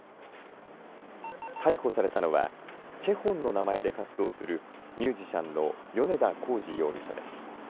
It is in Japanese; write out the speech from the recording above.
逮捕されたのはＣＨＥＨＯＮの名前で活動するミュージシャンの米田洪二容疑者です。